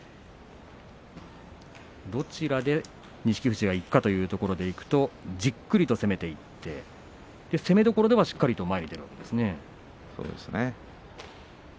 どちらで錦富士がいくかというところでいくとじっくりと攻めていって攻めどころではそうですね。